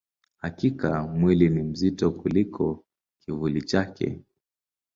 Hakika, mwili ni mzito kuliko kivuli chake.